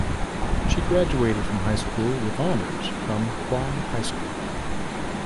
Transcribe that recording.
She graduated from high school with honors from Kauai High School.